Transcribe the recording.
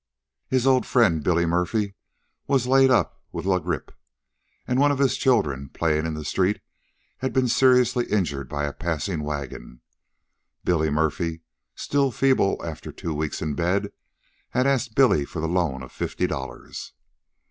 His old friend, Billy Murphy, was laid up with la grippe, and one of his children, playing in the street, had been seriously injured by a passing wagon. Billy Murphy, still feeble after two weeks in bed, had asked Billy for the loan of fifty dollars.